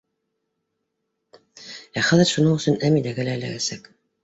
Ә хәҙер шуның өсөн Әмиләгә лә эләгәсәк.